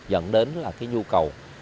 dẫn đến là cái nhu cầu